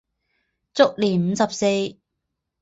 卒年五十四。